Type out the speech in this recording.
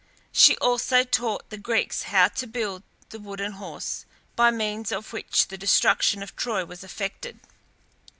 She also taught the Greeks how to build the wooden horse by means of which the destruction of Troy was effected.